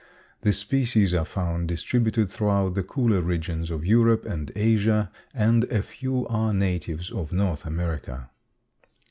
The species are found distributed throughout the cooler regions of Europe and Asia and a few are natives of North America.